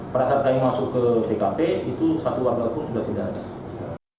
pada saat kami masuk ke tkp itu satu warga pun sudah tidak ada